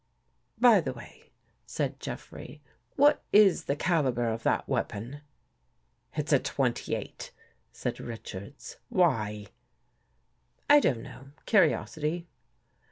" By the way," said Jeffrey, " what is the caliber of that weapon? "" It's a 28," said Richards. " Why? "" I don't know. Curiosity."